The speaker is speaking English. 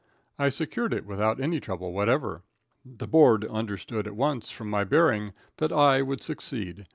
I secured it without any trouble whatever. The board understood at once from my bearing that I would succeed.